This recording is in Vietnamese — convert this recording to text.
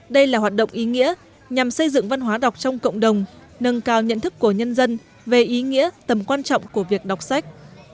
đây là hoạt động ý nghĩa nhằm xây dựng văn hóa đọc trong cộng đồng nâng cao nhận thức của nhân dân về ý nghĩa tầm quan trọng của việc đọc sách